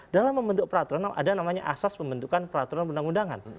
dalam membentuk peraturan ada namanya asas pembentukan peraturan undang undangan